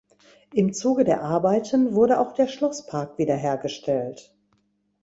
Im Zuge der Arbeiten wurde auch der Schlosspark wiederhergestellt.